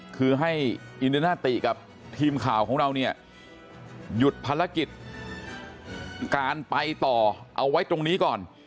คือให้อินเดนาติกับทีมข่าวของเราเนี่ยหยุดภารกิจการไปต่อเอาไว้ตรงนี้ก่อน